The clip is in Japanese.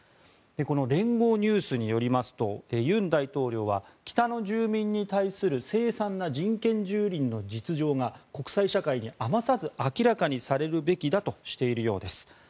この連合ニュースによりますと尹大統領は北の住民に対するせい惨な人権蹂躙の実情が国際社会に余さず明らかにされるべきだとしているようです。